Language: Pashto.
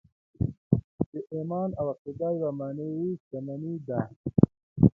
چې ايمان او عقیده يوه معنوي شتمني ده.